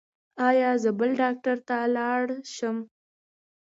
ایا زه بل ډاکټر ته لاړ شم؟